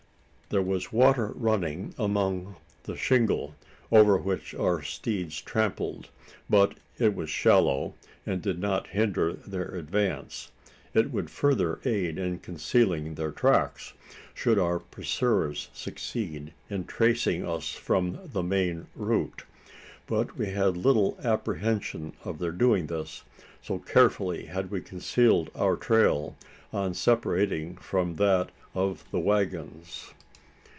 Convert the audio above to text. There was water running among the shingle, over which our steeds trampled; but it was shallow, and did not hinder their advance. It would further aid in concealing their tracks should our pursuers succeed in tracing us from the main route. But we had little apprehension of their doing this: so carefully had we concealed our trail on separating from that of the waggons.